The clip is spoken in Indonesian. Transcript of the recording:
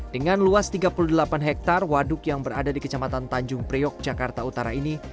dengan luas tiga puluh delapan hektare waduk yang berada di kecamatan tanjung priok jakarta utara ini